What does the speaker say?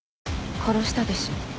殺したでしょ？